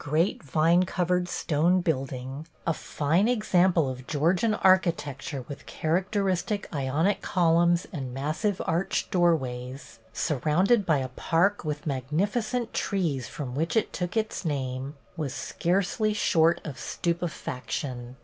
41 great vine covered stone building, — a fine ex ample of Georgian architecture with charac teristic Ionic columns and massive arched doorways, — surrounded by a park with the magnificent trees from which it took its name, was scarcely short of stupefaction.